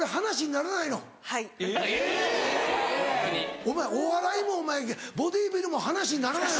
お前お笑いもボディビルも話にならないの？